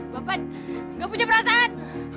pak nggak punya perasaan